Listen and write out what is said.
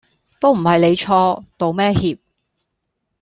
都唔係你錯，道咩歉